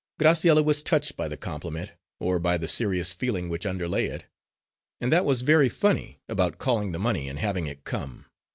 Graciella was touched by the compliment, or by the serious feeling which underlay it. And that was very funny, about calling the money and having it come!